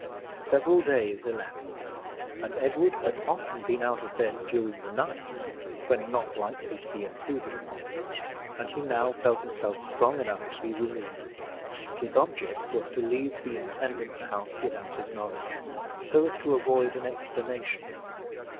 Several days elapsed, and Edward had often been out of bed during the night, when not likely to be intruded upon, and he now felt himself strong enough to be removed; and his object was to leave the intendant's house without his knowledge, so as to avoid an explanation.